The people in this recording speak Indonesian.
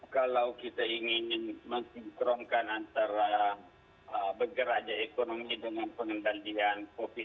kalau kita ingin mensinkronkan antara bergeraknya ekonomi dengan pengendalian covid sembilan belas